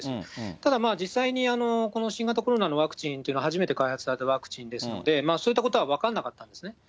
ただ、実際にこの新型コロナのワクチンというのは初めて開発されたワクチンですので、そういったことは分かんなかったんですね。